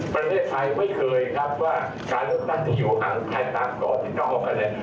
ประเทศไทยไม่เคยครับว่าการเริ่มตั้งที่อยู่หลังไทยต่างกว่า๑๙ประเทศ